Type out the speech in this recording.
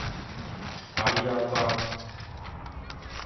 阿里阿查